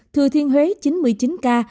thừa thiên huế chín mươi chín ca